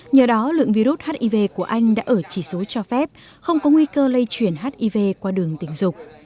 nhờ đó lượng virus hiv của anh đã ở chỉ số cho phép không có nguy cơ lây chuyển hiv qua đường tình dục